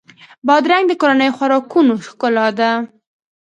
بادرنګ د کورنیو خوراکونو ښکلا ده.